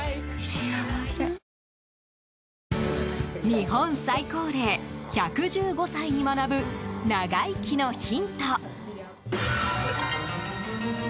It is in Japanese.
日本最高齢、１１５歳に学ぶ長生きのヒント。